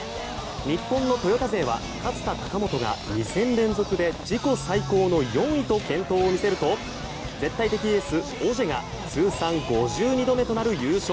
日本のトヨタ勢は勝田貴元が２戦連続で自己最高の４位と健闘を見せると絶対的エース、オジェが通算５２度目となる優勝。